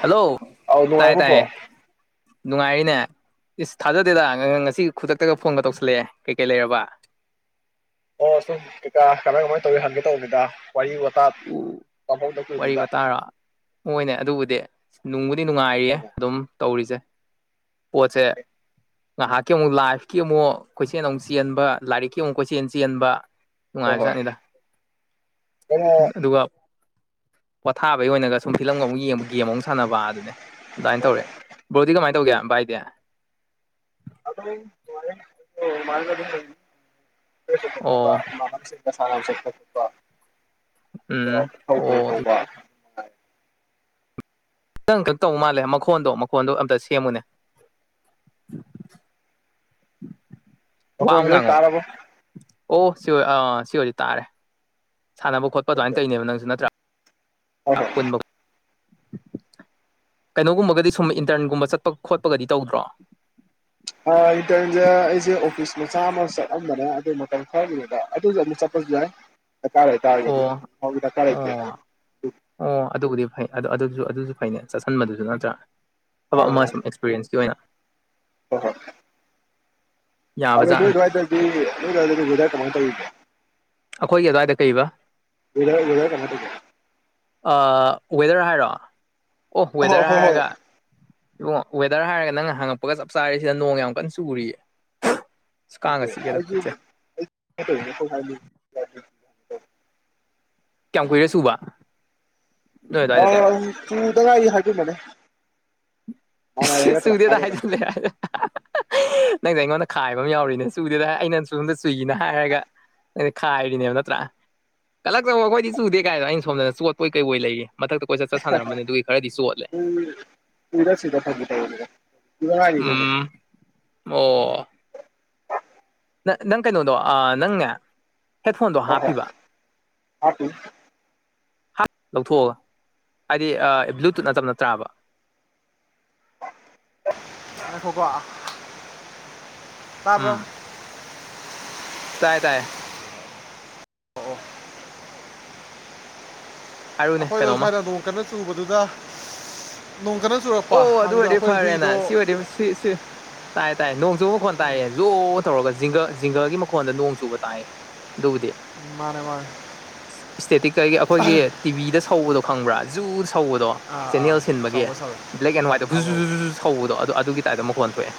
Hello ꯑꯧ ꯇꯥꯏ ꯇꯥꯏꯌꯦ ꯅꯨꯡꯉꯥꯏꯕꯕꯣ ꯅꯨꯡꯉꯥꯏꯔꯤꯅꯦ ꯏꯁ ꯊꯥꯖꯗꯦꯗ ꯉꯁꯤ ꯈꯨꯗꯛꯇꯒ ꯐꯣꯟꯒ ꯇꯧꯁꯜꯂꯛꯑꯦ ꯀꯩ ꯀꯩ ꯂꯩꯔꯕ ꯑꯣ ꯑ ꯁꯨꯝ ꯀꯀꯥ ꯀꯃꯥꯏ ꯀꯃꯥꯏꯅ ꯇꯧꯋꯤ ꯍꯪꯒꯦ ꯇꯧꯕꯒꯦꯗ ꯋꯥꯔꯤ ꯋꯥ ꯎ ꯋꯥꯔꯤ ꯋꯥꯇꯥꯥꯔꯣ ꯃꯣꯏꯅꯦ ꯑꯗꯨꯕꯨꯗꯤ ꯅꯨꯡꯕꯨꯗꯤ ꯅꯨꯡꯉꯥꯏꯔꯤꯌꯦ ꯑꯗꯨꯅ ꯑꯗꯨꯝ ꯇꯧꯔꯤꯁꯦ ꯄꯣꯠꯁꯦ ꯑꯦ ꯉꯥꯏꯍꯥꯛꯀꯤ ꯑꯃꯨꯛ ꯂꯥꯏꯐꯀꯤ ꯑꯃꯨꯛ ꯀꯣꯏꯆꯦꯜ ꯑꯃꯨꯛ ꯆꯦꯟꯕ ꯂꯥꯏꯔꯤꯛꯀꯤ ꯑꯃꯨꯛ ꯀꯣꯏꯆꯦꯜ ꯆꯦꯟꯕ ꯍ ꯍꯣꯏ ꯅꯨꯡꯉꯥꯏꯕꯖꯥꯠꯅꯤꯗ ꯑꯗꯨꯒ ꯄꯣꯊꯥꯕꯒꯤ ꯑꯣꯏꯅꯒ ꯁꯨꯝ ꯐꯤꯂꯝꯒ ꯑꯃꯛ ꯌꯦꯡꯕ ꯒꯦꯝ ꯑꯃꯨꯛ ꯁꯥꯟꯅꯕ ꯑꯗꯨꯅꯦ ꯑꯗꯨꯃꯥꯏꯅ ꯇꯧꯔꯦ ꯕꯣꯗꯤ ꯀꯃꯥꯏ ꯇꯧꯒꯦ ꯚꯥꯏꯗꯤ ꯑꯗꯨꯗꯣ ꯑꯣ ꯁꯅ ꯎꯝ ꯑꯣ ꯆꯠꯄꯄꯧꯕ ꯈꯤꯇꯪ ꯈꯛ ꯇꯧ ꯃꯥꯜꯂꯦ ꯃꯈꯣꯟꯗꯣ ꯃꯈꯣꯟꯗꯣ ꯑꯝꯇ ꯁꯦꯝꯃꯨꯅꯦ [inaudible] ꯋꯥ ꯑꯃ ꯃꯈꯣꯟꯖꯦ ꯉꯥꯡꯉꯑꯣ ꯇꯥꯔꯕꯣ ꯑꯣ ꯁꯤ ꯑꯣꯏ ꯗ ꯇꯥꯔꯦ ꯁꯥꯟꯅꯕ ꯈꯣꯠ ꯑꯗꯨꯃꯥꯏꯅ ꯇꯔꯤꯅꯦ ꯅꯪꯁꯤꯅ ꯍꯣꯏ ꯍꯣꯏ ꯑꯄꯨꯟꯕ ꯀꯩꯅꯣꯒꯨꯝꯕꯒꯗꯤ ꯁꯨꯝ ꯏꯟꯇ꯭ꯔꯟꯒꯨꯝꯕ ꯆꯠꯄ ꯈꯣꯠꯄꯒꯗꯤ ꯇꯧꯗ꯭ꯔꯣ ꯍꯥ ꯏꯟꯇ꯭ꯔꯟꯁꯦ ꯑꯩꯁꯦ ꯑꯣꯐꯤꯁ ꯃꯆꯥ ꯑꯃ ꯆꯠꯂꯝꯕꯅꯦ ꯑꯗꯨ ꯃꯇꯝ ꯈꯔꯒꯤꯅꯤꯗ ꯑꯗꯨꯖꯨ ꯑꯃꯨꯛ ꯆꯠꯄꯖꯨ ꯌꯥꯏ ꯗ꯭ꯔꯀꯥꯔ ꯂꯩꯇꯥꯔꯒꯗꯤ ꯑꯣ ꯍꯧꯖꯤꯛꯇꯤ ꯗ꯭ꯔꯀꯥꯔ ꯂꯩꯇ꯭ꯔꯦ ꯑꯣ ꯑꯣ ꯑꯗꯨꯕꯨꯗꯤ ꯐꯩ ꯑꯗꯨ ꯑꯗꯨꯖꯨ ꯑꯗꯨꯁꯨ ꯐꯩꯅꯦ ꯆꯠꯁꯟꯕꯗꯨꯁꯨ ꯅꯠꯇ꯭ꯔꯥ ꯊꯕꯛ ꯃꯥꯅꯦ ꯑꯃ ꯃꯥꯅꯦ ꯁꯨꯝ ꯄ꯭ꯔꯦꯟꯁꯀꯤ ꯑꯣꯏꯅ ꯍꯣꯏ ꯍꯣꯏ ꯑꯗꯣ ꯅꯣꯏ ꯌꯥꯕꯖꯥꯠꯅꯦ ꯑꯗ꯭ꯋꯥꯗꯗꯤ ꯅꯣꯏ ꯑꯗꯥꯏꯗꯗꯤ ꯋꯦꯗ꯭ꯔ ꯀꯃꯥꯏ ꯇꯧꯔꯤꯒꯦ ꯑꯩꯈꯣꯏꯒꯤ ꯑꯗ꯭ꯋꯥꯏꯗ ꯀꯩꯕꯥ ꯋꯦꯗ꯭ꯔ ꯋꯦꯗ꯭ꯔ ꯀꯃꯥꯏ ꯇꯧꯒꯦ ꯑꯥ ꯋꯦꯗ꯭ꯔ ꯍꯥꯏꯔꯣ ꯑꯣꯐ ꯑꯍꯣꯏ ꯋꯦꯗ꯭ꯔ ꯍꯣꯏ ꯍꯥꯏꯔꯒ ꯏꯕꯨꯡꯉꯣ ꯋꯦꯗ꯭ꯔ ꯍꯥꯏꯔꯒ ꯅꯪꯅ ꯍꯪꯉꯛꯄꯒ ꯆꯞ ꯆꯥꯔꯦ ꯁꯤꯗ ꯅꯣꯡ ꯌꯥꯝ ꯀꯟꯅ ꯆꯨꯔꯤꯌꯦ ꯑꯁ ꯀꯥꯡꯒ ꯆꯤꯛꯑꯦꯗ ꯈꯨꯠꯁꯦ [unintelligible] ꯀꯌꯥꯝ ꯀꯨꯏꯔꯦ ꯆꯨꯕ ꯅꯣꯏ ꯑꯗꯨꯋꯥꯏꯗꯗꯤ ꯑꯪ ꯆꯨꯗ ꯍꯥꯏꯖꯤꯟꯕꯅꯦ ꯍꯥꯟꯅ ꯍꯥꯏꯕ ꯅꯠꯇ꯭ꯔꯥ ꯆꯨꯗꯦꯗ ꯍꯥꯏꯒꯦꯗ [inaudible] ꯅꯪꯗ ꯑꯩꯉꯣꯟꯗ ꯈꯥꯏꯕ ꯑꯃ ꯌꯥꯎꯔꯤꯅꯦ ꯆꯨꯗꯦꯗ ꯍꯥꯏꯔ ꯑꯩꯅ ꯆꯨꯝꯗ ꯆꯨꯏ ꯑꯅ ꯍꯥꯏꯔꯒ ꯑꯩꯅ ꯈꯥꯏꯔꯤꯅꯦꯕ ꯅꯠꯇ꯭ꯔꯥ ꯀꯂꯛꯆꯧꯋꯣ ꯑꯩꯈꯣꯏꯗꯤ ꯆꯨꯗꯦ ꯀꯥꯏꯗꯣ ꯑꯩꯅ ꯁꯣꯝꯗꯅ ꯆꯠꯄꯣꯏ ꯀꯩꯕꯣꯏ ꯂꯩꯔꯤ ꯃꯊꯛꯇ ꯀꯣꯏꯆꯠ ꯆꯠ ꯁꯥꯟꯅꯔꯝꯕꯅꯤ ꯑꯗꯨꯒꯤ ꯈꯔꯗꯤ ꯆꯣꯠꯂꯦ ꯎꯝ ꯎꯔꯛꯁꯤꯗ ꯐꯥꯒꯤ ꯇꯧꯕꯅꯤꯗ ꯆꯨꯗ ꯉꯥꯏꯔꯤ ꯑꯩꯈꯣꯏꯁꯨ ꯎꯝ ꯑꯣ ꯅꯠ ꯅꯪ ꯀꯩꯅꯣꯗꯣ ꯑꯥ ꯅꯪꯅꯦ ꯍꯦꯠꯐꯣꯟꯗꯣ ꯍꯣꯏ ꯍꯣꯏ ꯍꯥꯞꯄꯤꯕ ꯍꯥꯞꯄꯤ ꯍꯥꯞ ꯂꯧꯊꯣꯛꯑꯒ ꯍꯥꯏꯗꯤ ꯑ ꯕ꯭ꯂꯨꯇꯨꯠ ꯅꯠꯇꯕ ꯅꯠꯇ꯭ꯔꯥꯕ ꯉꯥꯏꯈꯣꯀꯣ ꯇꯥꯕ꯭ꯔꯣ ꯇꯥꯏꯌꯦ ꯇꯥꯏꯌꯦ ꯍꯥꯏꯔꯨꯅꯦ ꯑꯈꯣꯏꯗꯣ ꯀꯩꯅꯣꯝꯃ ꯁ꯭ꯋꯥꯏꯗ ꯅꯣꯡ ꯀꯟꯅ ꯆꯨꯕꯗꯨꯗ ꯅꯣꯡ ꯀꯟꯅ ꯆꯨꯔꯛꯄ ꯑꯣ ꯑꯗꯨ ꯑꯗꯨꯗ ꯑꯣꯏꯔꯗꯤ ꯑꯩꯈꯣꯏ ꯐꯔꯦꯅꯥ ꯍꯨꯏꯗꯣ ꯁꯤ ꯋꯦꯗꯤꯝ ꯁꯤ ꯁꯤ ꯇꯥꯏ ꯇꯥꯏꯌꯦ ꯅꯣꯡ ꯆꯨꯕ ꯃꯈꯣꯟ ꯇꯥꯏꯌꯦ ꯖꯣ ꯇꯧꯔꯒ ꯖꯤꯡꯒ ꯖꯤꯡꯒꯒꯤ ꯃꯈꯣꯟꯗ ꯅꯣꯡ ꯆꯨꯕ ꯇꯥꯏꯌꯦ ꯑꯗꯨꯕꯨꯗꯤ ꯃꯥꯅꯦ ꯃꯥꯅꯦ ꯏꯁ꯭ꯇꯦꯠꯇꯤꯛ ꯀꯩꯒꯤ ꯑꯩꯈꯣꯏꯒꯤ ꯇꯤꯕꯤꯗ ꯁꯧꯕꯗꯣ ꯈꯪꯕ꯭ꯔꯥ ꯖꯨ ꯁꯧꯕꯗꯣ ꯑꯥ ꯑꯥ ꯆꯦꯅꯦꯜ ꯁꯤꯟꯕꯒꯤ ꯆꯥꯎꯕ ꯁꯜ ꯕ꯭ꯂꯦꯛ ꯑꯦꯟ ꯋꯥꯏꯠꯇ ꯒꯨꯖꯨ ꯖꯨ ꯖꯨ ꯖꯨ ꯁꯧꯕꯗꯣ ꯑꯗꯨ ꯑꯗꯨꯒꯤ ꯇꯥꯏꯞꯇ ꯃꯈꯣꯟ ꯊꯣꯛꯑꯦ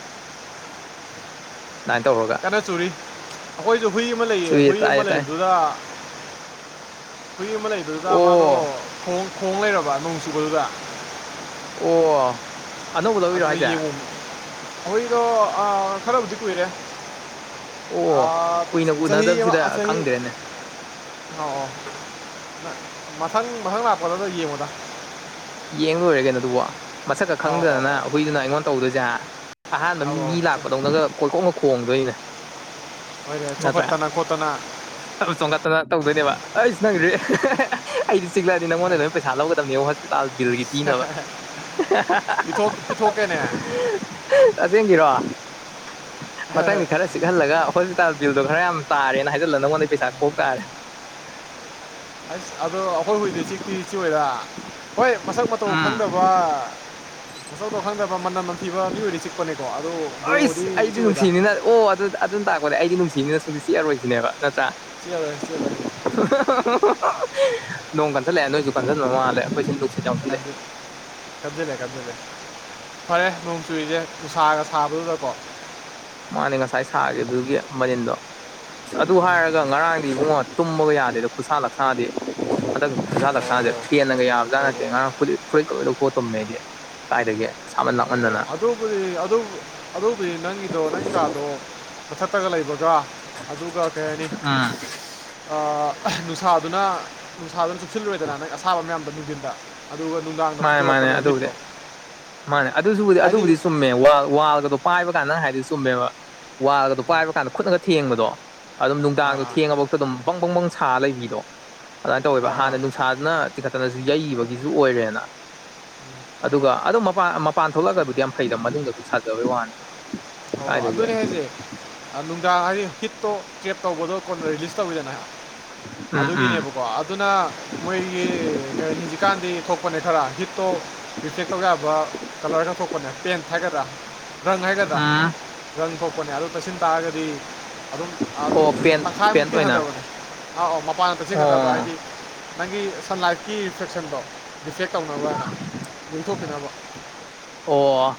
ꯑꯗꯥꯏꯟ ꯇꯧꯔꯒ ꯀꯟꯅ ꯆꯨꯔꯤ ꯑꯩꯈꯣꯏꯖꯨ ꯍꯨꯏ ꯑꯃ ꯂꯩꯌꯦ ꯆꯨꯏꯌꯦ ꯍꯨꯏ ꯑꯃ ꯇꯥꯏꯌꯦ ꯇꯥꯏ ꯂꯩꯕꯗꯨꯗ ꯍꯨꯏ ꯑꯃ ꯂꯩꯕꯗꯨꯗ ꯃꯥꯗꯣ ꯑꯣ ꯈꯣꯡ ꯈꯣꯡ ꯂꯩꯔꯕ ꯅꯣꯡ ꯆꯨꯕꯗꯨꯗ ꯑꯣ ꯑꯅꯧꯕ ꯂꯧꯔꯤꯔꯣ ꯑꯗꯨꯗ ꯍꯥꯏꯁꯦ ꯌꯦꯡꯉꯨꯝ ꯍꯨꯏꯗꯣ ꯑ ꯈꯔꯕꯨꯗꯤ ꯀꯨꯏꯔꯦ ꯑꯣ ꯑꯥ ꯀꯨꯏꯅ ꯆꯍꯤ ꯑꯃ ꯎꯅꯗꯕꯁꯤꯗ ꯆꯍꯤ ꯈꯪꯗ꯭ꯔꯦꯅꯦ ꯑꯧ ꯑꯧ ꯅ ꯃꯊꯪ ꯃꯊꯪ ꯂꯥꯛꯄꯗꯗ ꯌꯦꯡꯉꯨꯗ ꯌꯦꯡ ꯂꯣꯏꯔꯦ ꯀꯩꯅꯣ ꯑꯗꯨꯕꯣ ꯃꯁꯛꯀ ꯑꯧ ꯑꯧ ꯈꯪꯗꯗꯅ ꯑꯧ ꯍꯨꯏꯗꯨꯅ ꯑꯩꯉꯣꯟꯗ ꯇꯧꯗꯣꯏꯖꯦ ꯍꯥ ꯑꯍꯥꯟꯕ ꯃꯤ ꯑꯧ ꯑꯧ ꯃꯤ ꯂꯥꯛꯄꯗꯧꯅꯒ ꯀꯣꯏꯈꯣꯡꯒ ꯈꯣꯡꯗꯣꯏꯅꯤꯅꯦ ꯍꯣꯏꯅꯦ ꯆꯣꯡꯈꯠꯇꯅ ꯈꯣꯠꯇꯅ ꯇꯞꯅ ꯆꯣꯡꯒꯠꯇꯅ ꯇꯧꯗꯣꯏꯅꯦꯕ ꯑꯩꯁ ꯅꯪꯒꯤꯗꯨꯗꯤ ꯑꯩꯗꯤ ꯆꯤꯛꯂꯛꯑꯗꯤ ꯅꯪꯉꯣꯟꯗꯩ ꯂꯣꯏꯅ ꯄꯩꯁꯥ ꯂꯧꯒꯗꯕꯅꯦ ꯍꯣ ꯇꯥꯜ ꯕꯤꯜꯒꯤ ꯊꯤꯅꯕ ꯄꯤꯊꯣꯛ ꯄꯤꯊꯣꯛꯀꯦꯅꯦ ꯑꯁꯦꯡꯀꯤꯔꯣ ꯃꯊꯪꯗꯤ ꯈꯔ ꯆꯤꯛꯍꯜꯂꯒ ꯍꯣꯁꯄꯤꯇꯥꯜ ꯕꯤꯜꯗꯣ ꯈꯔ ꯌꯥꯝ ꯇꯥꯔꯦꯅ ꯍꯥꯏꯖꯤꯜꯂ ꯅꯪꯉꯣꯟꯗꯩ ꯄꯩꯁꯥ ꯈꯣꯛ ꯇꯥꯔꯦ ꯑꯩꯁ ꯑꯗꯣ ꯑꯩꯈꯣꯏ ꯍꯨꯏꯗꯤ ꯆꯤꯛꯇꯤ ꯆꯤꯛꯑꯣꯏꯗꯥ ꯍꯣꯏ ꯃꯁꯛ ꯃꯇꯧ ꯎꯝ ꯈꯪꯗꯕ ꯃꯁꯛ ꯃꯇꯧ ꯈꯪꯗꯕ ꯃꯅꯝ ꯅꯝꯊꯤꯕ ꯃꯤ ꯑꯣꯏꯗꯤ ꯆꯤꯛꯄꯅꯦꯀꯣ ꯑꯗꯣ ꯑꯩꯁ ꯑꯩꯗꯤ ꯅꯨꯡꯁꯤꯕꯅꯤꯅ ꯑꯣ ꯑꯗꯨ ꯑꯗꯨꯅ ꯇꯥꯛꯄꯗꯤ ꯑꯩꯗꯤ ꯅꯨꯡꯁꯤꯕꯤꯅꯤꯅ ꯁꯨꯡꯆꯤꯛ ꯆꯤꯛꯑꯔꯣꯏꯁꯤꯅꯦꯕ ꯅꯠꯇ꯭ꯔꯥ [unintelligible] [unintelligible] ꯅꯣꯡ ꯀꯟꯓꯜꯂꯛꯑꯦ ꯅꯣꯏꯁꯨ ꯀꯟꯁꯤꯟꯕ ꯃꯥꯜꯂꯦ ꯑꯩꯈꯣꯏꯁꯤ [unintelligible] ꯑꯗ [inaudible] ꯀꯞꯁꯤꯜꯂꯦ ꯀꯞꯁꯤꯜꯂꯦ ꯐꯔꯦ ꯅꯣꯡ ꯆꯨꯔꯤꯁꯦ ꯅꯨꯡꯁꯥꯒ ꯁꯥꯕꯗꯨꯗꯀꯣ ꯃꯥꯅꯦ ꯉꯁꯥꯏ ꯁꯥꯒꯤ ꯑꯗꯨꯒꯤ ꯃꯅꯤꯟꯗꯣ ꯑꯁ ꯑꯗꯨ ꯍꯥꯏꯔꯒ ꯉꯔꯥꯡꯗꯤ ꯏꯕꯨꯡꯉꯣ ꯇꯨꯝꯃꯒ ꯌꯥꯗꯦꯗ ꯈꯨꯁꯥ ꯂꯛꯁꯥꯗꯤ ꯍꯟꯅꯛ ꯈꯨꯁꯥ ꯑꯣ ꯂꯛꯁꯥꯁꯦ ꯑꯣ ꯑꯣ ꯐꯦꯟꯅꯒ ꯌꯥꯕꯖꯥ ꯑꯣ ꯅꯠꯇꯦ ꯉꯔꯥꯡ ꯐꯨꯗꯤ ꯐꯨꯔꯤꯠꯀ ꯂꯣꯏꯕ ꯈꯣꯠꯇꯕꯃꯦ ꯑꯩꯗꯤ ꯀꯥꯏꯗꯒꯤꯦ ꯁꯥꯃꯟ ꯑꯣ ꯂꯥꯛꯃꯟꯗꯅ ꯑꯣ ꯑꯗꯨꯕꯨꯗꯤ ꯑꯗꯨꯕꯨꯗꯤ ꯅꯪꯒꯤꯗꯣ ꯅꯪ ꯀꯥꯗꯣ ꯃꯊꯛꯇꯒ ꯂꯩꯕꯒ꯭ꯔ ꯑꯗꯨꯒ ꯀꯩ ꯍꯥꯏꯅꯤ ꯅꯨꯡꯁꯥꯗꯨꯅ ꯅꯨꯡꯁꯥꯗꯨꯅ ꯆꯨꯞꯁꯤꯜꯂꯣꯏꯗꯅ ꯅꯪ ꯑꯁꯥꯕ ꯃꯌꯥꯝꯗ ꯅꯨꯡꯕꯤꯟꯗ ꯑꯗꯨꯒ ꯅꯨꯡꯗꯥꯡꯗ ꯃꯥꯅꯦ ꯃꯥꯅꯦ ꯄꯨꯊꯣꯔꯛꯄꯅꯦꯕ ꯑꯗꯨꯕꯨꯗꯤ ꯍꯤꯠꯇꯣ ꯃꯥꯅꯦ ꯑꯗꯨꯁꯨ ꯍꯥꯏꯗꯤ ꯑꯗꯨꯕꯨꯗꯤ ꯁꯨꯝ ꯆꯨꯝꯃꯦ ꯋꯥꯜꯒꯗꯣ ꯄꯥꯏꯕ ꯀꯥꯟꯗ ꯅꯪ ꯍꯥꯏꯗꯤ ꯆꯨꯝꯃꯦꯕ ꯋꯥꯜꯒꯗꯣ ꯄꯥꯏꯕ ꯀꯥꯟꯗ ꯈꯨꯠꯅꯒ ꯊꯦꯡꯕꯗꯣ ꯑꯗꯨꯝ ꯅꯨꯡꯗꯥꯡꯗꯣ ꯑꯥ ꯊꯦꯡꯉꯕꯥꯎꯗ ꯑꯗꯨꯝ ꯄꯪ ꯄꯪꯕꯪꯁꯥ ꯂꯩꯕꯤꯗꯣ ꯑꯗꯨꯃꯥꯏꯅ ꯇꯧꯋꯦꯕ ꯑꯥ ꯑꯥ ꯍꯥꯟꯅ ꯑꯥ ꯅꯨꯡꯁꯥ ꯇꯤꯡꯈꯠꯇꯅꯁꯨ ꯌꯩꯕꯒꯤꯁꯨ ꯑꯣꯏꯔꯦꯅ [unintelligible] ꯑꯗꯨꯒ ꯑꯗꯨꯝ ꯃꯄꯥꯟ ꯃꯄꯥꯟ ꯊꯣꯛꯂꯛꯒꯕꯨꯗꯤ ꯌꯥꯝ ꯐꯩꯗ ꯃꯅꯨꯡꯗ ꯑꯗꯨꯝ ꯁꯥꯖꯕꯩ ꯋꯥꯅꯤ ꯑꯣ ꯑꯣ ꯀꯥꯏꯗꯒꯤ ꯑꯗꯨꯅꯦ ꯍꯥꯏꯁꯦ ꯅꯨꯡꯗꯥꯡ ꯍꯥꯏꯔꯤ ꯍꯤꯠꯇꯣ ꯀ꯭ꯔꯦꯞ ꯇꯧꯕꯗꯣ ꯀꯣꯟꯅ ꯔꯦꯖꯤꯁ ꯇꯧꯋꯤꯗꯅ ꯎꯝ ꯎꯝ ꯑꯗꯨꯒꯤꯅꯦꯕ ꯀꯣ ꯑꯗꯨꯅ ꯃꯣꯏꯒꯤ ꯀ ꯍꯧꯖꯤꯛꯀꯥꯟꯗꯤ ꯊꯣꯛꯄꯅꯦ ꯈꯔ ꯍꯤꯠꯇꯣ ꯇꯦꯛ ꯇꯧ ꯌꯥꯕ ꯀꯂꯔ ꯍꯥꯏꯅ ꯈꯣꯄꯅꯦ ꯄꯦꯟꯠ ꯍꯥꯏꯒꯗ꯭ꯔꯥ ꯔꯪ ꯍꯥꯏꯒꯗ꯭ꯔꯥ [unintelligible] ꯊꯣꯛꯄꯅꯦ ꯑꯗꯨ ꯇꯁꯤꯟ ꯇꯥꯔꯒꯗꯤ ꯑꯗꯨꯝ ꯑꯗꯨꯝ ꯑꯣ ꯄꯦꯟ ꯄꯦꯟ ꯇꯪꯈꯥꯏꯃꯨꯛꯇꯤ ꯑꯣꯏꯅ ꯍꯟꯊꯕꯅꯦ ꯑ ꯑꯧ ꯃꯄꯥꯟꯗ ꯇꯥꯁꯤꯟꯒꯗꯕ ꯑꯣ ꯍꯥꯏꯗꯤ [unintelligible] ꯅꯪꯒꯤ ꯁꯟꯂꯥꯏꯠꯀꯤ ꯔꯤꯐ꯭ꯂꯦꯛꯁꯟꯗꯣ ꯗꯤꯐꯦꯛ ꯇꯧꯅꯕ ꯍꯥꯏꯅ ꯂꯤꯡꯊꯣꯛꯄꯤꯅꯕ ꯑꯣ...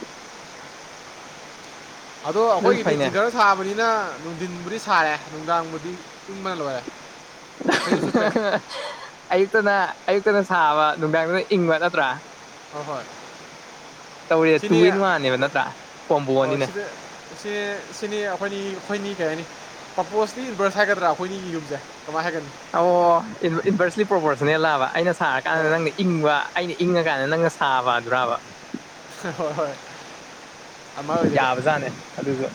ꯑꯗꯣ ꯑꯗꯨꯁꯨ ꯑꯩꯈꯣꯏꯒꯤꯗꯤ ꯐꯩꯅꯦ ꯖꯤꯡꯒꯥꯅ ꯁꯥꯕꯅꯤꯅ ꯅꯨꯡꯊꯤꯟꯕꯨꯗꯤ ꯁꯥꯥꯏꯔꯦ ꯅꯨꯡꯗꯥꯡꯕꯨꯗꯤ ꯇꯤꯡꯕꯅ ꯂꯣꯏꯔꯦ [unintelligible] ꯐꯩꯖꯨꯞ ꯁꯨꯞꯄꯦ ꯑꯌꯨꯛꯇꯅ ꯑꯌꯨꯛꯇꯅ ꯁꯥꯕ ꯅꯨꯡꯗꯥꯡꯗꯨꯅ ꯏꯪꯕ ꯅꯠꯇ꯭ꯔꯥ ꯍꯣꯏ ꯍꯣꯏ ꯇꯧꯔꯤ ꯁꯤꯅꯤ ꯇꯨꯋꯟ ꯋꯥꯅꯦꯕ ꯅꯠꯇ꯭ꯔꯥ ꯀꯣꯝꯕꯣ ꯍꯣꯏ ꯅꯤꯅ ꯁꯤꯗ ꯁꯤ ꯁꯤꯅꯤ ꯑꯩꯈꯣꯏꯅꯤ ꯑꯩꯈꯣꯏꯅꯤ ꯀꯩ ꯍꯥꯏꯅꯤ ꯄꯔꯄꯣꯁꯇꯤ ꯏꯟꯚꯔꯁ ꯍꯥꯏꯒꯗ꯭ꯔꯥ ꯑꯩꯈꯣꯏꯅꯤꯒꯤ ꯌꯨꯝꯁꯦ ꯀꯃꯥꯏꯅ ꯍꯥꯏꯒꯅꯤ ꯑꯣ ꯏꯟꯚꯔꯁꯂꯤ ꯄ꯭ꯔꯣꯐꯣꯔꯁꯅꯦꯜꯂꯕ ꯑꯩꯅ ꯁꯥꯔꯀꯥꯟꯗ ꯍꯣꯏ ꯅꯪꯅ ꯏꯪꯕ ꯑꯩꯅ ꯏꯪꯉꯀꯥꯟꯗ ꯅꯪꯅ ꯁꯥꯕꯒ꯭ꯔꯥꯕ [unintelligible] ꯍꯣꯏ ꯍꯣꯏ [unintelligible] ꯌꯥꯕꯖꯅꯦ ꯑꯗꯨꯁꯨ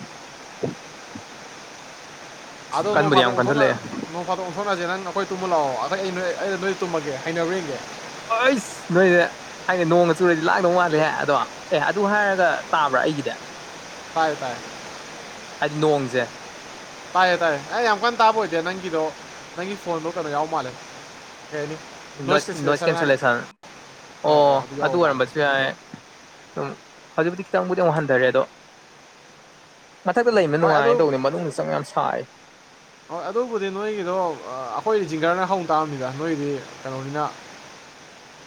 ꯑꯗꯣ ꯅꯣꯡ ꯀꯟꯕꯨꯗꯤ ꯐꯥꯗꯣꯛ ꯌꯥꯝ ꯑꯣꯟꯊꯣꯛꯅ ꯀꯟꯁꯤꯜꯂꯛꯑꯦ ꯅꯣꯡ ꯐꯥꯠꯇꯣꯛ ꯑꯣꯟꯊꯣꯛꯅꯑꯁꯦ ꯅꯪ ꯅꯈꯣꯏ ꯇꯨꯝꯕ ꯂꯥꯛꯑꯣ ꯑꯗ ꯑꯩ ꯅꯣꯏ ꯑꯩꯩꯅ ꯅꯣꯏ ꯇꯨꯝꯃꯒꯦ ꯍꯩꯅꯕ꯭ꯔꯥ ꯌꯦꯡꯒꯦ ꯍꯣꯏꯁ ꯅꯣꯏꯁꯦ ꯍꯥꯏꯗꯤ ꯅꯣꯡꯃ ꯆꯨꯔꯗꯤ ꯂꯥꯛꯗꯧ ꯃꯥꯠꯂꯦ ꯍꯥꯏ ꯑꯗꯣ ꯑꯦ ꯑꯗꯨ ꯍꯥꯏꯔꯒ ꯇꯥꯕ꯭ꯔꯥ ꯑꯩꯒꯤꯗꯤ ꯇꯥꯢꯌꯦ ꯇꯢꯌꯦ ꯍꯥꯏꯗꯤ ꯅꯣꯡꯁꯦ ꯇꯥꯏꯌꯦ ꯇꯥꯏꯌꯦ ꯑꯩ ꯌꯥꯝ ꯀꯟꯅ ꯇꯥꯕ ꯑꯣꯏꯗꯦꯗ ꯅꯪꯒꯤꯗꯣ ꯅꯪꯒꯤ ꯐꯣꯟꯗꯣ ꯀꯩꯅꯣ ꯌꯥꯎ ꯃꯥꯜꯂꯦ ꯀꯩꯍꯢꯅꯤ ꯅꯣꯏꯁ ꯅꯣꯏꯁ ꯀꯦꯟꯁꯦꯂꯦꯁꯟ ꯑꯧ ꯑꯣ ꯑꯧ ꯑꯗꯨ ꯌꯥꯎꯕ ꯃꯥꯜꯂꯦ ꯑꯣꯏꯔꯝꯕꯁꯨ ꯌꯥꯏ ꯑꯗꯨꯝ ꯍꯧꯖꯤꯛꯕꯨꯗꯤ ꯈꯤꯇꯪꯕꯨꯗꯤ ꯑꯃꯨꯛ ꯍꯟꯊꯔꯦ ꯑꯗꯣ ꯃꯊꯛꯇ ꯂꯩꯕ ꯍꯣꯏ ꯑꯗꯨ ꯅꯨꯡꯉꯥꯏꯅ ꯇꯧꯅꯤ ꯃꯅꯨꯡꯗ ꯆꯪ ꯌꯥꯝ ꯁꯥꯏ ꯍꯣꯏ ꯑꯗꯨꯕꯨꯗꯤ ꯅꯣꯏꯒꯤꯗꯣ ꯑꯩꯈꯣꯏꯗꯤ ꯖꯤꯡꯒꯔꯅ ꯍꯧ ꯇꯥꯑꯝꯅꯤꯗ ꯅꯣꯏꯒꯤꯗꯤ ꯀꯩꯅꯣꯅꯤꯅ [unintelligible]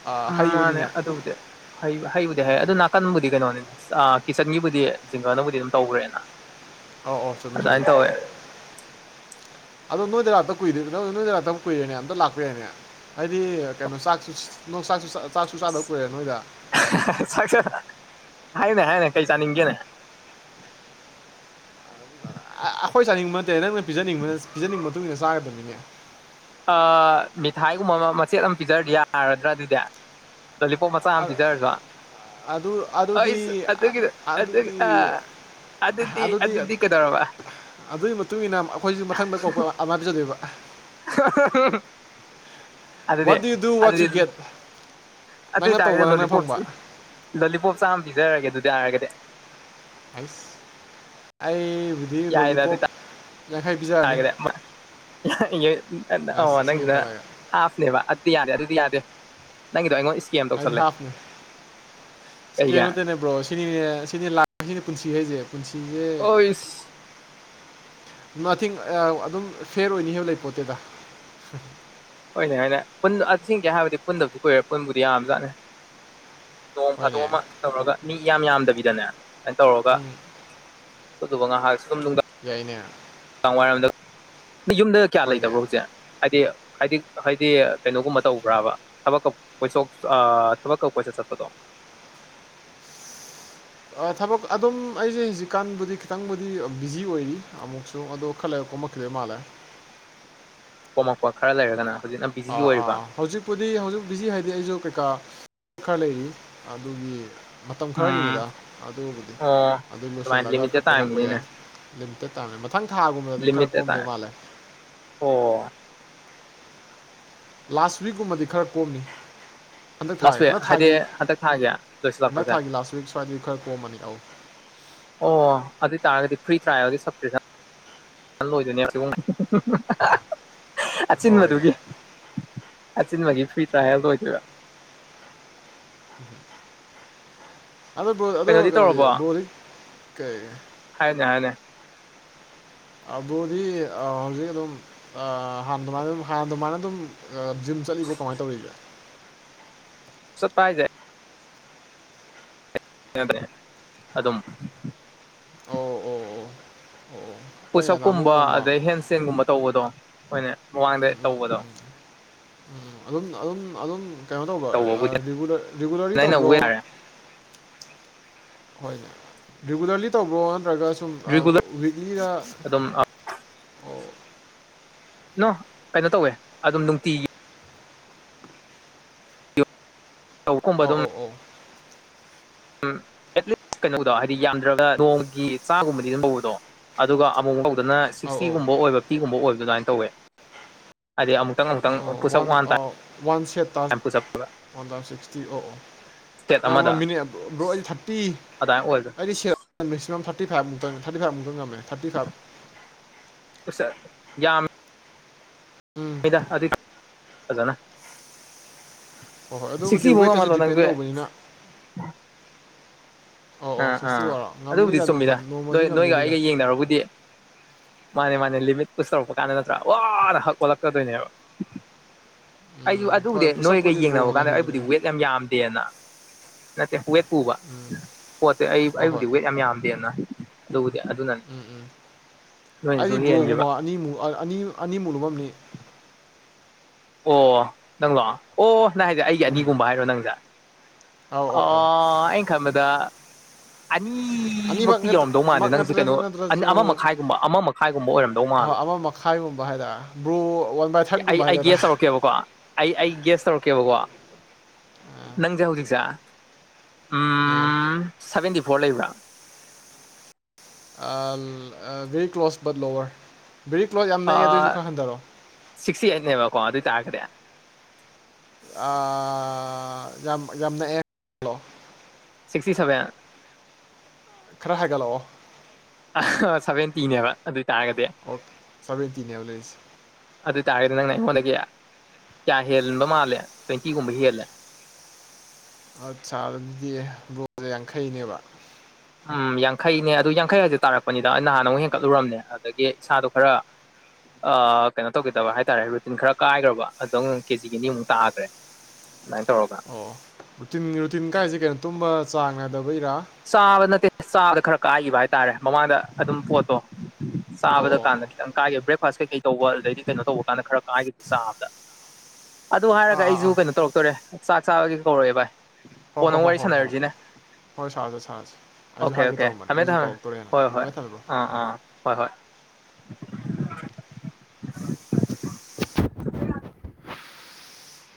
ꯑ, ꯎꯝ ꯃꯥꯅꯦꯦ ꯍꯩꯕꯅꯤꯅ ꯑꯗꯨꯕꯨꯗꯤ ꯍꯩ ꯍꯩꯕꯨꯗꯤ ꯍꯩ ꯑꯗꯨ ꯅꯥꯀꯟꯕꯨꯗꯤ ꯀꯩꯅꯣꯅꯤꯗ ꯑ ꯀꯤꯠꯆꯟꯒꯤꯕꯨꯗꯤ ꯖꯤꯡꯒꯅꯕꯨꯗꯤ ꯑꯗꯨꯝ ꯇꯧꯒ꯭ꯔꯦꯅ ꯑꯧꯑꯩ ꯆꯨꯝꯃꯤ ꯆꯨꯝꯃꯤ ꯑꯗꯣ ꯅꯣꯏꯗ ꯂꯥꯛꯇꯕ ꯀꯨꯏꯔꯦꯅꯦ ꯅꯣꯏꯗ ꯂꯥꯛꯇꯕ ꯀꯨꯏꯔꯦꯅꯦ ꯑꯝꯇ ꯂꯥꯛꯄ ꯌꯥꯏꯅꯦ ꯍꯥꯏꯗꯤ ꯀꯩꯅꯣ ꯆꯥꯛꯁꯨ ꯅꯣꯡ ꯆꯥꯛꯁꯨ ꯆꯥꯛꯁꯨ ꯆꯥꯗꯕ ꯀꯨꯏꯔꯦ ꯅꯣꯏꯗ [unintelligible] ꯆꯥꯛꯁ ꯍꯥꯏꯅꯦ ꯍꯥꯏꯅꯦ ꯀꯩ ꯆꯥꯅꯤꯡꯒꯦꯅꯦ ꯑ ꯑ ꯑꯩꯈꯣꯏ ꯆꯥꯅꯤꯡꯕ ꯅꯠꯇꯦ ꯅꯪꯅ ꯄꯤꯖꯅꯤꯡꯕ ꯄꯤꯖꯅꯤꯡꯕ ꯃꯇꯨꯡ ꯏꯟꯅ ꯆꯥꯒꯗꯕꯅꯤꯅꯦ ꯑ ꯃꯤꯊꯥꯏꯒꯨꯝꯕ ꯑꯃ ꯃꯆꯦꯠ ꯑꯃ ꯄꯤꯖꯔꯗꯤ ꯌꯥꯔꯗ꯭ꯔꯥ ꯑꯗꯨꯗꯤ ꯂꯣꯂꯤꯄꯣꯞ ꯃꯆꯥꯥ ꯑꯝ ꯄꯤꯖꯥꯔꯖꯣ ꯑꯗꯨ ꯑꯗꯨꯗꯤ ꯑ ꯑꯗꯨ ꯑꯗꯨꯗꯤ ꯑꯥ ꯑ ꯑꯗꯨꯗꯤ ꯍ ꯑꯗꯨꯢ ꯃꯇꯨꯡꯏꯟꯅ ꯑꯩꯈꯣꯏꯁꯨ ꯃꯊꯪꯗ [unintelligible] ꯑꯥꯃꯥꯢ ꯄꯤꯖꯗꯣꯏꯕ [unintelligible] ꯑꯗꯨꯗꯦ ꯋꯥꯠ ꯗꯨ ꯌꯨ ꯗꯨ ꯋꯥꯠ ꯑꯗꯨꯗꯤ ꯌꯨ ꯒꯦꯠ ꯅꯪꯅ ꯇꯧꯕ ꯑꯗꯨꯏꯇꯥꯔꯒꯗꯤ ꯅꯪꯅ ꯂꯣꯂꯤꯄꯣꯞ ꯐꯪꯕ ꯂꯣꯂꯤꯄꯣꯞ ꯆꯥꯝ ꯄꯤꯖꯔꯒꯦ ꯑꯗꯨꯏꯇꯥꯔꯒꯗꯤ ꯍꯥꯏ ꯑꯩꯕꯨꯗꯤ ꯌꯥꯏꯗ ꯑꯗꯨ ꯂꯣꯂꯤꯄꯣꯛ ꯌꯥꯡꯈꯩ ꯄꯤꯖꯔꯅꯤ ꯑꯁ ꯂꯤꯁꯤꯡ ꯌꯥꯡꯈꯠꯂꯒ [unintelligible] ꯍꯥꯐꯅꯦꯕ ꯑꯗꯨꯗꯤ ꯌꯥꯗꯦ ꯑꯗꯨꯗꯤ ꯌꯥꯗꯦ ꯅꯪꯒꯤꯗꯣ ꯑꯩꯉꯣꯟ ꯢꯁ ꯍꯥꯏꯗꯤ ꯍꯥꯞꯅꯤ ꯀꯩꯒꯤ ꯏꯁ [unintelligible] ꯁꯤꯅꯤꯅꯦ ꯁꯤꯅꯤ ꯂ ꯁꯤꯅꯤ ꯄꯨꯟꯁꯤ ꯍꯥꯏꯁꯦ ꯄꯨꯟꯁꯤꯁꯦ ꯑꯣꯏꯁ ꯅꯥꯊꯤꯡ ꯑꯗꯨꯝ ꯐꯦꯔ ꯑꯣꯏꯅꯤ ꯍꯥꯏꯕ ꯂꯩ ꯄꯣꯠꯇꯦꯗ ꯍꯣꯏꯅꯦ ꯍꯥꯏꯅꯦ ꯄꯨꯟ ꯑꯁꯦꯡꯀꯤ ꯍꯥꯏꯔꯣꯗꯤ ꯄꯨꯟꯗꯕꯗꯤ ꯀꯨꯏꯔꯦ ꯄꯨꯟꯕꯨꯗꯤ ꯌꯥꯕ ꯖꯥꯠꯅꯤ ꯅꯣꯡ ꯐꯥꯗꯣꯛ ꯍꯣꯏꯅꯦ ꯑꯃ ꯇꯧꯔꯒ ꯃꯤ ꯌꯥꯝ ꯌꯥꯝꯗꯕꯤꯗꯅꯦ ꯑꯗꯨꯃꯥꯏꯅ ꯇꯧꯔꯒ ꯎꯝ ꯑꯗꯨꯕ ꯉꯥꯍꯥꯛꯁꯨ ꯅꯨꯡꯗꯥꯡ ꯌꯥꯏꯅꯦ ꯀ ꯋꯥꯏꯔꯣꯝꯗ ꯌꯨꯝꯗ ꯀꯌꯥ ꯍꯣꯏꯅꯦ ꯂꯩꯇꯕ꯭ꯔꯣ ꯍꯧꯖꯤꯛꯁꯦ ꯍꯥꯏꯗꯤ ꯍꯥꯏꯗꯤ ꯍꯥꯏꯗꯤ ꯀꯩꯅꯣꯒꯨꯝꯕ ꯇꯧꯕ꯭ꯔꯥꯕ ꯊꯕꯛꯀ ꯀꯣꯏꯊꯣꯛ ꯑ ꯊꯕꯛꯀ ꯀꯣꯏꯆꯠ ꯆꯠꯄꯗꯣ ꯑ ꯊꯕꯛ ꯑꯗꯨꯝ ꯑꯩꯁꯦ ꯍꯧꯖꯤꯛꯀꯥꯟꯕꯨꯗꯤ ꯈꯤꯇꯪꯕꯨꯗꯤ ꯕꯤꯖꯤ ꯑꯣꯏꯔꯤ ꯑꯃꯨꯛꯁꯨ ꯑꯗꯣ ꯈꯂꯩꯔ ꯀꯣꯝꯃꯛꯈꯤꯅꯤ [unintelligible] ꯃꯥꯂꯦ ꯀꯣꯝꯃꯛꯄ ꯈꯔ ꯂꯩꯔꯒꯅ ꯍꯧꯖꯤꯛꯅ ꯕꯤꯖꯤ ꯑꯥ ꯑꯣꯏꯔꯤꯕ ꯑꯥ ꯍꯧꯖꯤꯛꯄꯨꯗꯤ ꯍꯧꯖꯤꯛ ꯕꯤꯖꯤ ꯍꯥꯏꯗꯤ ꯑꯩꯁꯨ ꯀꯩꯀꯥ ꯈꯔ ꯂꯩꯔꯤ ꯑꯗꯨꯒꯤ ꯃꯇꯝ ꯎꯝ ꯈꯔꯒꯤꯅꯤꯗ ꯑꯗꯨꯕꯨꯗꯤ ꯑꯣ ꯑꯗꯨ ꯑꯗꯨꯃꯥꯏꯅ ꯂꯣꯏꯁꯤꯜꯂꯒ ꯂꯤꯃꯤꯇꯦꯠ ꯐꯠ ꯀꯣꯝꯃꯛꯄ ꯇꯥꯏꯝꯒꯤꯅꯤꯅꯦ ꯌꯥꯏ [unintelligible] ꯃꯊꯪ ꯊꯥꯒꯨꯝꯕꯗꯗꯤ ꯈꯔ ꯂꯤꯃꯤꯇꯦꯠ ꯀꯣꯝꯗꯣꯏ ꯇꯥꯏꯝ ꯃꯥꯜꯂꯦ ꯑꯣ ꯂꯥꯁ ꯋꯤꯛꯀꯨꯝꯕꯗꯤ ꯈꯔ ꯀꯣꯝꯅꯤ ꯍꯟꯗꯛ ꯂꯥꯁ ꯊꯥꯒꯤ ꯋꯤꯛ ꯍꯟꯗꯛ ꯍꯥꯏꯗꯤ ꯊꯥꯒꯤ ꯍꯟꯗꯛ ꯊꯥꯒꯤ ꯍꯟꯗꯛ ꯂꯣꯏꯁꯤꯜꯂꯛꯄꯁꯦ ꯊꯥꯒꯤ ꯂꯥꯁ ꯋꯤꯛ ꯁ꯭ꯋꯥꯏꯗꯤ ꯈꯔ ꯀꯣꯝꯕꯅꯤ ꯑꯧ ꯑꯣ ꯑꯗꯣꯏ ꯇꯥꯔꯒꯗꯤ ꯐ꯭ꯔꯤ ꯇ꯭ꯔꯥꯏꯒꯤ [unintelligible] ꯅꯜ ꯂꯣꯏꯗꯣꯏꯅꯦ [unintelligible] ꯍꯣꯏꯅꯦ ꯑꯆꯤꯟꯕꯗꯨꯒꯤ ꯑꯆꯤꯟ ꯕꯒꯤ ꯐ꯭ꯔꯤ ꯇ꯭ꯔꯦꯜ ꯂꯣꯏꯗꯣꯢꯕ ꯑꯗꯣ ꯕ꯭ꯔꯣ ꯑꯗꯣ ꯀꯩꯅꯣꯗꯤ ꯕ꯭ꯔꯣꯗꯤ ꯀꯩ ꯍꯥꯏꯅꯦ ꯍꯥꯏꯅꯦ ꯑ ꯕ꯭ꯔꯣꯗꯤ ꯍꯧꯖꯤꯛ ꯑꯗꯨꯝ ꯑ ꯍꯥꯟꯅ ꯑꯗꯨꯃꯥꯏꯅ ꯑꯗꯨꯝ ꯍꯥꯟꯅ ꯑꯗꯨꯃꯥꯏꯅ ꯑꯗꯨꯝ ꯖꯤꯝ ꯆꯠꯂꯤꯕꯣ ꯀꯃꯥꯏ ꯇꯧꯔꯤꯒꯦ ꯆꯠꯄ ꯍꯥꯏꯁꯦ [unintelligible] ꯑꯗꯨꯝ ꯑꯣ ꯑꯣ ꯑꯣ ꯑꯣ ꯍꯣꯏꯅꯦ ꯅꯍꯥꯟꯃꯨꯛ ꯄꯨꯁꯞꯀꯨꯝꯕ ꯅꯣꯡꯃ ꯑꯗꯩ ꯍꯦꯟ ꯆꯦꯟꯒꯨꯝꯕ ꯇꯧꯕꯗꯣ ꯑꯩꯈꯣꯏꯅ ꯎꯝ ꯃꯃꯥꯡꯗ ꯎꯝ ꯇꯧꯕꯗꯣ ꯎꯝ ꯑꯗꯨꯝ ꯑꯗꯨꯝ ꯑꯗꯨꯝ ꯀꯩꯅꯣ ꯇꯧꯕ꯭ꯔ ꯑ ꯇꯧꯕꯕꯨꯗꯤ ꯔꯤ ꯔꯤꯒꯨꯂꯔꯔꯤ ꯑꯩꯅ ꯇꯧꯕ꯭ꯔꯣ ꯋꯦꯠ ꯍꯥꯏꯔꯦ ꯍꯣꯏꯅꯦ ꯔꯤꯒꯨꯂꯔꯂꯤ ꯇꯧꯕ꯭ꯔꯣ ꯅꯠꯇ꯭ꯔꯒ ꯁꯨꯝ ꯔꯤꯒꯨꯂꯔ ꯋꯤꯗꯤꯔꯥ ꯑꯗꯨꯝ ꯂꯣ ꯀꯩꯅꯣ ꯇꯧꯋꯦ ꯑꯗꯨꯝ ꯅꯨꯡꯇꯤꯒꯤ꯫ ꯇꯧꯕꯒꯨꯝꯕ ꯑꯣ ꯑꯣ ꯑꯣ ꯎꯝ ꯑꯦꯠꯂꯤꯁ ꯀꯩꯅꯣꯗꯣ ꯍꯥꯏꯗꯤ ꯌꯥꯝꯗ꯭ꯔꯒ ꯅꯣꯡꯒꯤ ꯆꯥꯒꯨꯝꯕꯗꯤ ꯂꯦꯃꯍꯧꯕꯗꯣ ꯑꯗꯨꯒ ꯑꯃꯨꯛ ꯐꯧꯗꯅ ꯑꯧ ꯑꯧ ꯁꯤꯛꯁꯇꯤꯒꯨꯝꯕ ꯑꯣꯏꯕ ꯐꯤꯒꯨꯝꯕ ꯑꯣꯏꯕ ꯑꯗꯨꯃꯥꯏꯅ ꯇꯧꯋꯦ ꯍꯥꯏꯗꯤ ꯑꯃꯨꯛ ꯉꯥꯏꯀꯇꯪ ꯉꯥꯏꯀꯇꯪ ꯑꯣ ꯑꯃꯨꯛꯇꯪ ꯄꯨꯁꯛ ꯋꯥꯟ ꯑ, ꯇꯥꯏ ꯋꯥꯟ ꯁꯦꯠ ꯇꯥꯖ ꯋꯥꯟ ꯊꯥꯎꯖꯟ ꯁꯤꯛꯁꯇꯤ ꯑꯣ ꯑꯣ ꯁꯦꯠ ꯌꯥꯝ ꯑꯃꯗ ꯃꯤꯅꯤ ꯕ ꯑꯩꯗꯤ ꯊꯥꯔꯇꯤ ꯑꯗꯥꯏ ꯑꯣꯏꯕ ꯍꯥꯏꯗꯤ ꯁ ꯃꯦꯛꯁꯤꯃꯝ ꯊꯔ ꯇꯤ ꯚꯥꯏ ꯉꯝꯃꯦ ꯊꯥꯇꯤ ꯚꯥꯏ ꯌꯥꯝ ꯎꯝ ꯍꯗꯥ ꯑꯗꯨ ꯐꯖꯅ ꯍꯣꯏ ꯍꯣꯏ ꯁꯤꯛꯁꯤ ꯑꯗꯨꯕꯨꯗꯤ ꯋꯦꯠꯇꯁꯨ ꯃꯨꯡꯉꯃꯂꯣ ꯅꯪꯁꯨ ꯗꯤꯄꯦꯟ ꯍꯦꯛ ꯇꯧꯕꯅꯤꯅ ꯑꯣ ꯑꯣ ꯑꯥ ꯑꯥ ꯁꯤꯛꯁꯇꯤ ꯋꯥꯔꯣ ꯑꯗꯨꯕꯨꯗꯤ ꯉꯝꯅꯤꯗ ꯅꯣꯡꯃ ꯆꯨꯝꯃꯤꯗ ꯅꯣꯡꯃꯗꯤ ꯅꯣꯏ ꯅꯣꯏꯒ ꯉꯝꯈꯤꯅꯤꯗ ꯑꯩꯒ ꯌꯦꯡꯅꯔꯕꯨꯗꯤ ꯃꯥꯅꯦ ꯃꯥꯅꯦ ꯂꯤꯃꯤꯠꯄꯨ ꯁꯧꯔꯛꯄ ꯀꯥꯟꯗ ꯅꯠꯇ꯭ꯔꯥ ꯋꯥꯅ ꯍꯛ ꯑꯣꯜꯂꯛꯀꯗꯣꯏꯅꯦꯕ [inaudible] ꯑꯩꯁꯨ ꯑꯗꯨꯕꯨꯗꯤ ꯍꯣꯏ ꯅꯣꯏꯒ ꯄꯨꯁꯞꯄꯨꯗꯤ ꯌꯦꯡꯅꯕ ꯕ꯭ꯔꯣꯅ ꯀꯥꯟꯗ ꯑꯩꯕꯨꯗꯤ ꯂꯩꯍꯟꯒꯤꯅꯤꯗ ꯋꯦꯠ ꯌꯥꯝ ꯌꯥꯝꯗꯦꯅ ꯅꯠꯇꯦ ꯋꯦꯠ ꯄꯨꯕ ꯄꯣꯠꯇꯤ ꯑꯩ ꯍꯣꯏ ꯍꯣꯏ ꯑꯩꯕꯨꯗꯤ ꯋꯦꯠ ꯌꯥꯝ ꯌꯥꯝꯗꯦꯅ ꯑꯗꯨꯕꯨꯗꯤ ꯑꯗꯨꯅꯅꯤ ꯎꯝ ꯎꯝ ꯅꯣꯏꯅꯁꯨ ꯑꯩꯗꯤ ꯍꯦꯟꯈꯤꯕ ꯕ꯭ꯔꯣꯒꯨꯝꯕ ꯑꯅꯤꯃꯨꯛ ꯑꯅꯤ ꯑꯅꯤꯃꯨꯂꯨꯕꯝꯅꯤ꯫ ꯑꯣ ꯅꯪꯗꯣ ꯑꯣ ꯅ ꯍꯥꯏꯁꯦ ꯑꯩꯒꯤ ꯎꯝ ꯑꯅꯤꯒꯨꯝꯕ ꯍꯥꯏꯔꯣ ꯅꯪꯁꯦ ꯑꯧ ꯑꯧ ꯑꯧ ꯑꯩ ꯈꯝꯕꯗ ꯑꯅꯤ ꯑꯅꯤꯃꯛ ꯏꯃꯛꯇꯤ ꯌꯧꯔꯝꯗꯧ ꯃꯥꯜꯂꯦ ꯃꯛ ꯅꯪꯁꯦ ꯀꯩꯅꯣ ꯅꯠꯇ꯭ꯔꯁꯨ ꯑ ꯅꯠꯇ꯭ꯔꯁꯨ ꯑꯃ ꯃꯈꯥꯏꯒꯨꯝꯕ ꯑꯃ ꯃꯈꯥꯏꯒꯨꯝꯕ ꯑꯣꯏꯔꯝꯗꯧ ꯃꯥꯜꯂꯦ꯫ ꯈꯥꯏꯚꯒꯨꯝꯕ ꯍꯥꯏꯇꯥꯔꯥ ꯕ꯭ꯔꯨ ꯋꯥꯟ ꯕꯥꯏ ꯑꯩ ꯊꯥꯔꯠꯀꯨꯝꯕ ꯍꯥꯏ ꯑꯩ ꯒ꯭ꯌꯥꯁ ꯇꯧꯔꯛꯀꯦꯕꯀꯣ ꯑꯩ ꯑꯩ ꯒ꯭ꯌꯥꯁ ꯇꯧꯔꯛꯀꯦꯕꯀꯣ ꯅꯪꯁꯦ ꯍꯧꯖꯤꯛꯁꯦ ꯎꯝ ꯁꯚꯦꯟꯇꯤ ꯐꯣꯔ ꯂꯩꯕ꯭ꯔꯥ very close but lower very close ꯌꯥꯝ ꯅꯛ ꯑꯦ ꯑꯗꯨꯑꯣꯏꯁꯨ ꯈꯔ ꯍꯟꯊꯔꯛꯑꯣ ꯁꯤꯛꯇꯤ ꯑꯩꯠꯅꯦꯕꯀꯣ ꯑꯗꯨ ꯑꯣꯏ ꯇꯥꯔꯒ꯭ꯔꯦ ꯑ ꯌꯥꯝ ꯅꯛ ꯑꯦ ꯁꯤꯛꯁꯇꯤ ꯁꯚꯦꯟ꯫ ꯈꯔ ꯍꯥꯏꯍꯠꯂꯛꯑꯣ ꯑ ꯁꯚꯦꯟꯇꯤꯅꯦꯕ ꯑꯗꯨ ꯑꯣꯏꯇꯥꯥꯔꯒꯗꯤ ꯑꯣ ꯁꯕꯦꯟꯗꯤꯅꯦ ꯍꯕ ꯂꯩꯖ꯫ ꯑꯗꯨ ꯑꯣꯏꯇꯥꯥꯔꯒꯗꯤ ꯅꯪꯅ ꯑꯩꯉꯣꯟꯗꯒꯤ ꯀꯌꯥ ꯍꯦꯟꯕ ꯃꯥꯜꯂꯦ ꯇ꯭ꯋꯦꯟꯇꯤꯒꯨꯝꯕ ꯍꯦꯜꯂꯦ꯫ ꯑꯠꯁꯥ ꯑꯗꯨꯗꯤ ꯕꯨꯛꯁꯦ ꯌꯥꯡꯈꯩꯅꯦꯕ ꯎꯝ ꯌꯥꯡꯈꯩꯅꯤ ꯑꯗꯨ ꯌꯥꯡꯈꯩ ꯍꯥꯏꯁꯨ ꯇꯥꯔꯛꯄꯅꯤꯗ ꯑꯩꯅ ꯅꯍꯥꯟꯅ ꯑꯃꯨꯛ ꯍꯦꯟꯀꯠꯂꯨꯨꯔꯔꯕꯅꯦ ꯑꯗꯒꯤ ꯏꯁꯥꯗꯣ ꯈꯔ ꯀꯩꯅꯣ ꯇꯧꯒꯦꯗꯕ ꯍꯥꯏꯇꯥꯔꯦ ꯔꯨꯇꯤꯟ ꯈꯔ ꯀꯥꯏꯈ꯭ꯔꯕ ꯑꯝ ꯀꯦꯖꯤꯒꯤ ꯑꯅꯤꯃꯨꯛ ꯇꯥꯈ꯭ꯔꯦ꯫ ꯑꯗꯨꯃꯥꯏꯅ ꯇꯧꯔꯒ ꯑꯣ ꯔꯨꯇꯤꯟ ꯔꯨꯇꯤꯟ ꯀꯥꯏꯁꯦ ꯀꯩꯅꯣ ꯇꯨꯝꯕ ꯆꯥꯡ ꯅꯥꯏꯗꯕꯩꯔꯥ ꯆꯥꯕ ꯅꯠꯇꯦ ꯆꯥꯕꯗ ꯈꯔ ꯀꯥꯏꯈꯤꯕ ꯍꯥꯏꯇꯥꯔꯦ ꯃꯃꯥꯡꯗ ꯑꯗꯨꯝ ꯄꯣꯠꯇꯣ ꯆꯥꯕꯗ ꯑꯧ ꯑꯣ ꯀꯥꯟꯗ ꯑꯣ ꯀꯥꯏꯒꯦ ꯕ꯭ꯔꯦꯛꯐꯥꯁ ꯀꯩꯀꯩ ꯇꯧꯕ ꯑꯗꯒꯤꯩ ꯀꯩꯅꯣ ꯇꯧꯕ ꯀꯥꯟꯗ ꯈꯔ ꯀꯥꯏꯒꯦ ꯆꯥꯕꯗ [inaudible] ꯑꯗꯨ ꯍꯥꯏꯔꯒ ꯑꯥ ꯑꯥ ꯑꯩꯁꯨ ꯑꯥ ꯀꯩꯅꯣ ꯇꯧꯔꯛꯇꯣꯔꯦ ꯆꯥꯛ ꯆꯥꯕꯒꯤ ꯀꯧꯔꯛꯑꯦ ꯍꯣꯏ ꯀꯣꯟꯅꯥ ꯍꯣꯏ ꯑꯃꯨꯛ ꯍꯣꯏ ꯋꯥꯔꯤ ꯍꯣꯏ ꯍꯣꯏ ꯁꯥꯟꯅꯔꯤꯁꯤꯅꯦ꯫ ꯍꯣꯏ ꯁꯥꯔꯁꯦ ꯁꯥꯔꯁꯦ ꯑꯩꯁꯨ ꯍꯥꯏꯒꯦ ꯑꯣꯀꯦ ꯇꯧꯔꯝꯕꯅꯦ ꯊꯝꯃꯦ ꯑꯩꯁꯨ ꯊꯝꯃꯦ ꯀꯧꯔꯛꯇꯣꯔꯦꯅ ꯍꯣꯏ ꯍꯣꯏ ꯊꯥꯃꯦ ꯊꯝꯃꯑꯣ ꯑꯥ ꯎꯝ ꯑꯥ ꯍꯣꯏ ꯍꯣꯏ